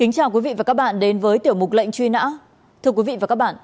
chào mừng quý vị đến với tiểu mục lệnh truy nã